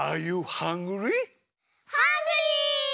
ハングリー！